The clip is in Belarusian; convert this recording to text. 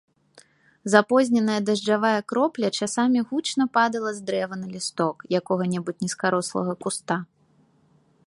Запозненая дажджавая кропля часамі гучна падала з дрэва на лісток якога-небудзь нізкарослага куста.